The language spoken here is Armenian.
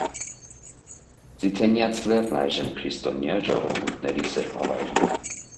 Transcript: Ձիթենյաց լեռն այժմ քրիստոնյա ժողովուրդների սրբավայր է։